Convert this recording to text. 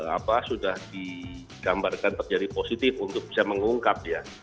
apa sudah digambarkan terjadi positif untuk bisa mengungkap ya